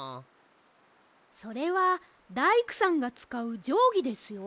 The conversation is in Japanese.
それはだいくさんがつかうじょうぎですよ。